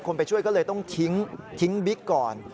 ไปช่วยก็เลยต้องทิ้งบิ๊กก่อน